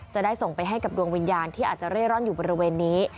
จะได้ส่งไปให้กับดวงวิญญาณที่อาจจะเร่ร่อนอยู่บริเวณนี้